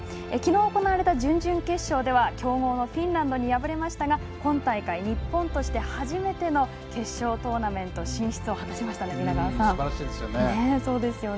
昨日、行われた準々決勝では強豪フィンランドに敗れましたが今大会、日本として初めての決勝トーナメント進出です。